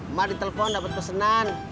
emak ditelepon dapet pesenan